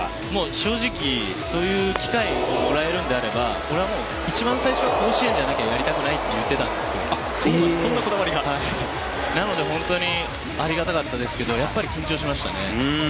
正直、そういう機会をもらえるのであればこれは、一番最初甲子園じゃなきゃやりたくないと言っていたのでなので本当にありがたかったですけどやっぱり、緊張しましたね。